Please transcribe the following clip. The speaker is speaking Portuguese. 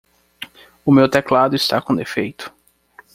O meu teclado está com defeito.